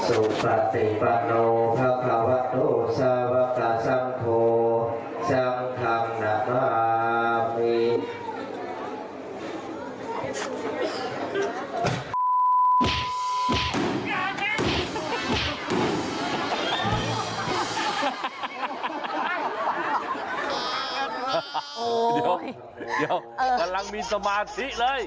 โอ้เดี๋ยวเดี๋ยวกำลังมีสมาธิเลย